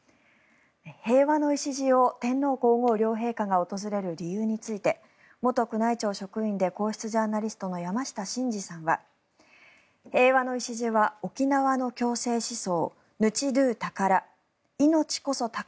平和の礎を天皇・皇后両陛下が訪れる理由について元宮内庁職員で皇室ジャーナリストの山下晋司さんは平和の礎は沖縄の共生思想、命どぅ宝